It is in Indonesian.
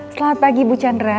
selamat pagi bu chandra